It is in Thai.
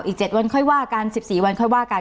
อีก๗วันค่อยว่ากัน๑๔วันค่อยว่ากัน